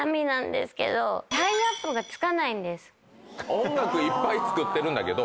音楽いっぱい作ってるんだけど。